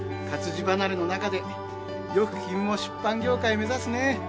活字離れの中でよく君も出版業界目指すね。